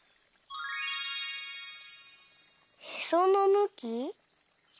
「へそのむき」？